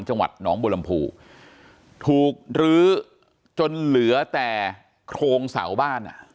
จังหวัดหนองบุรมภูถูกลื้อจนเหลือแต่โครงเสาบ้านอ่ะ